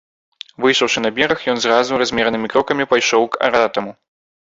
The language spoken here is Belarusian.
Выйшаўшы на бераг, ён зразу размеранымі крокамі пайшоў к аратаму.